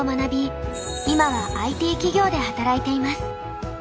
今はＩＴ企業で働いています。